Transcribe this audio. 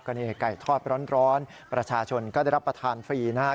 นี่ไก่ทอดร้อนประชาชนก็ได้รับประทานฟรีนะครับ